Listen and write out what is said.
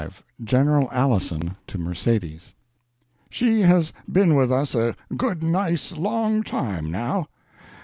V GENERAL ALISON TO MERCEDES SHE has been with us a good nice long time, now.